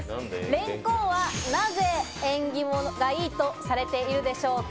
レンコンはなぜ縁起がいいとされているでしょうか？